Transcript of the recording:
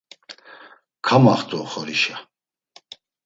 Kamaxt̆u oxorişa.